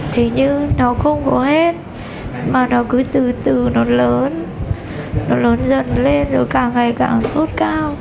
thì như nó không có hết mà nó cứ từ từ nó lớn nó lớn dần lên rồi càng ngày càng suốt cao